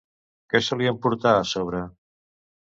Què solien portar a sobre?